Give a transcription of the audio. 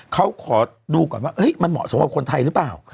เขาขอดูก่อนว่ามันเหมาะสมกับคนไทยหรือเปล่า